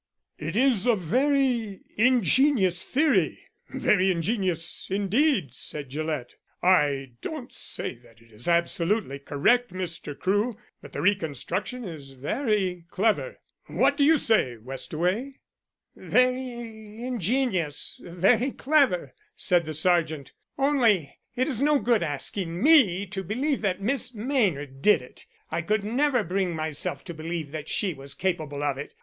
"It is a very ingenious theory, very ingenious, indeed," said Gillett. "I don't say that it is absolutely correct, Mr. Crewe, but the reconstruction is very clever. What do you say, Westaway?" "Very ingenious very clever," said the Sergeant. "Only it is no good asking me to believe that Miss Maynard did it; I could never bring myself to believe that she was capable of it.